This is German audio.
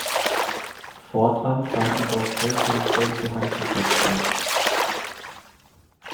Fortan fanden dort Zollkontrollen für Handgepäck statt.